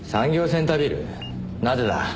なぜだ？